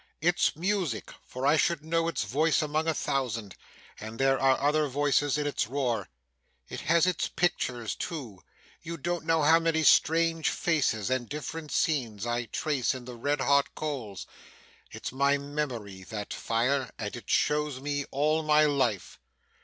It's music, for I should know its voice among a thousand, and there are other voices in its roar. It has its pictures too. You don't know how many strange faces and different scenes I trace in the red hot coals. It's my memory, that fire, and shows me all my life.